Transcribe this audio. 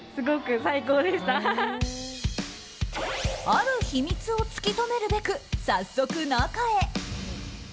ある秘密を突き止めるべく早速、中へ。